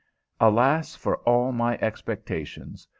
Alas for all my expectations!